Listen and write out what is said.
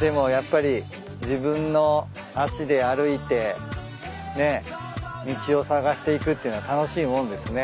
でもやっぱり自分の足で歩いて道を探していくっていうのは楽しいもんですね。